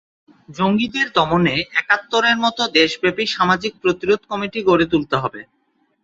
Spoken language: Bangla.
জঙ্গিদের দমনে একাত্তরের মতো দেশব্যাপী সামাজিক প্রতিরোধ কমিটি গড়ে তুলতে হবে।